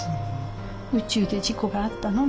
「宇宙で事故があったの？」